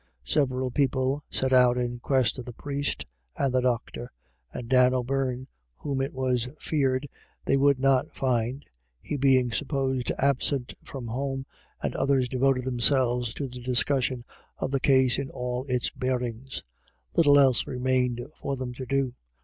Several people set out in quest of the priest and the doctor, and Dan O'Beirne, whom it was feared they would not find, he being supposed absent from home, and the others devoted themselves to the discussion of the case in all its bearings. Little else remained for them to do.